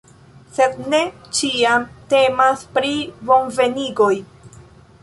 Sed ne ĉiam temas pri bonvenigoj.